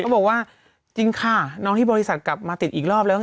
บอกว่าจริงค่ะน้องที่บริษัทกลับมาติดอีกรอบแล้ว